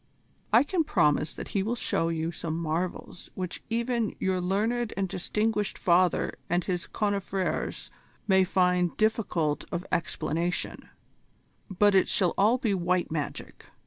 "I can promise that he will show you some marvels which even your learned and distinguished father and his confrères may find difficult of explanation: but it shall all be white magic.